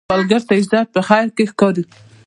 سوالګر ته عزت په خیر کې ښکاري